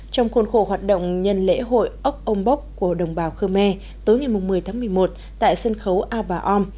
trong khuôn khổ hoạt động nhân lễ hội ốc ông bóc của đồng bào khơ me tối ngày một mươi tháng một mươi một tại sân khấu a ba om